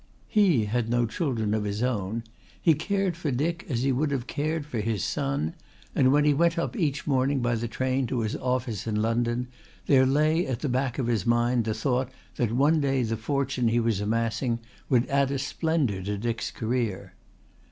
He had no children of his own, he cared for Dick as he would have cared for his son, and when he went up each morning by the train to his office in London there lay at the back of his mind the thought that one day the fortune he was amassing would add a splendour to Dick's career.